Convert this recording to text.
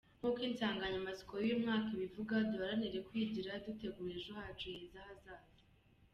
Nk’uko insanganyamatsiko y’uyu mwaka ibivuga, duharanire kwigira dutegura ejo hacu heza hazaza.